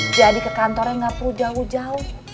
jadi ke kantornya nggak perlu jauh jauh